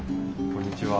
こんにちは。